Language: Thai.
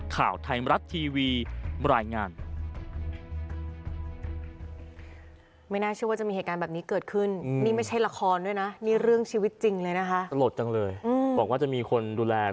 ข่าวไทยมรัฐทีวีบรรยายงาน